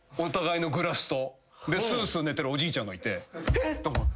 すうすう寝てるおじいちゃんいて「えっ！？」と思って。